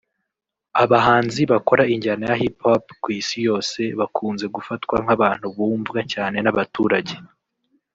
Abahanzi bakora injyana ya Hip Hop ku Isi yose bakunze gufatwa nk’abantu bumvwa cyane n’abaturage